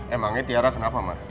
emangnya tiara kenapa mah